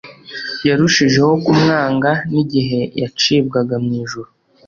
Yarushijeho kumwanga n'igihe yacibwaga mu ijuru